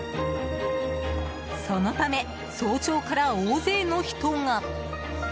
そのため、早朝から大勢の人が。